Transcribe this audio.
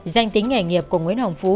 danh tính nghề nghiệp của nguyễn hồng phú